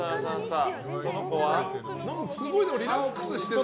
すごいリラックスしてる。